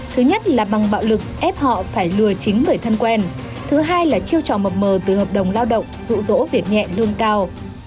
thứ nhất là bằng bạo lực ép họ phải lừa chính người thân quen thứ hai là chiêu trò mập mờ từ hợp đồng lao động dụ dỗ việc nhẹ lương cao